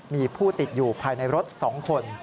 มีผู้ติดอยู่ภายในรถ๒คน